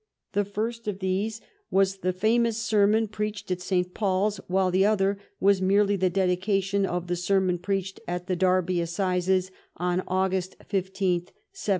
The first of these was the famous sermon preached at St. Paul's, while the other was merely the dedication of the ser mon preached at the Derby assizes on August 15, 1709.